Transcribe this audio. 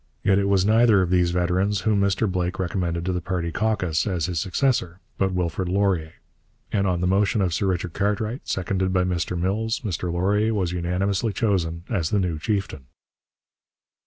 Yet it was neither of these veterans whom Mr Blake recommended to the party 'caucus' as his successor, but Wilfrid Laurier; and on the motion of Sir Richard Cartwright, seconded by Mr Mills, Mr Laurier was unanimously chosen as the new chieftain.